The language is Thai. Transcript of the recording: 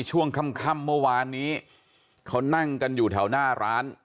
ช่วงค่ำเมื่อวานนี้เขานั่งกันอยู่แถวหน้าร้าน